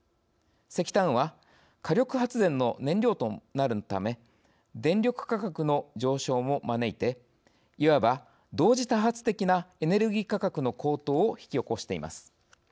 石炭は火力発電の燃料となるため電力価格の上昇も招いていわば、同時多発的なエネルギー価格の高騰を引き起こしています。